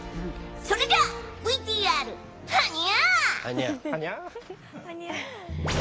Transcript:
それではＶＴＲ、はにゃ！